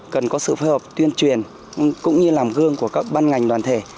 cần có sự phối hợp tuyên truyền cũng như làm gương của các ban ngành đoàn thể